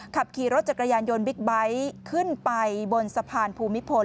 ขับขี่รถจักรยานยนต์บิ๊กไบท์ขึ้นไปบนสะพานภูมิพล